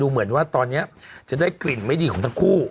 เหมือนว่าตอนนี้จะได้กลิ่นไม่ดีของทั้งคู่